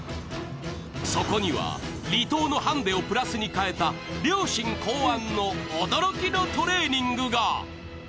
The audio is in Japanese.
そこには離島のハンデをプラスに変えた両親考案の驚きのトレーニングが。